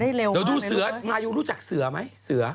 เดี๋ยวดูเสือมายูรู้จักเสือไหมเสือ